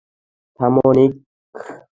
থামো, নিক।